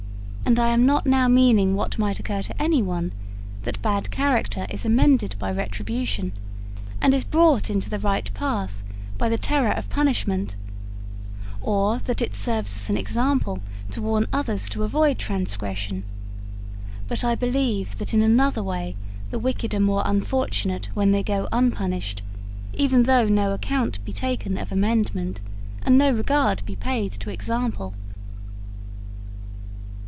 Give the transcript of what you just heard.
And I am not now meaning what might occur to anyone that bad character is amended by retribution, and is brought into the right path by the terror of punishment, or that it serves as an example to warn others to avoid transgression; but I believe that in another way the wicked are more unfortunate when they go unpunished, even though no account be taken of amendment, and no regard be paid to example.'